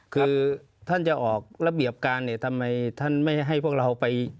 คือท่านจะออกระเบียบการเนี่ยทำไมท่านไม่ให้พวกเราไป